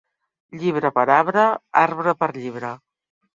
Llibre per arbre, arbre per llibre.